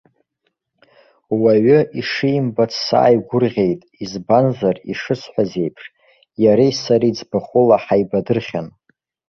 Уаҩы ишимбац сааигәырӷьеит, избанзар, ишысҳәаз еиԥш, иареи сареи ӡбахәыла ҳаибадырхьан.